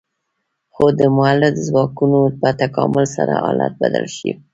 خو د مؤلده ځواکونو په تکامل سره حالت بدل شو.